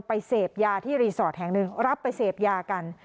เสพยาที่รีสอร์ทแห่งหนึ่งรับไปเสพยากัน